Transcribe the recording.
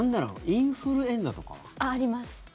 インフルエンザとかは？あります。